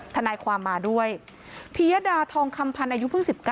ทนายความมาด้วยพิยดาทองคำพันธ์อายุเพิ่ง๑๙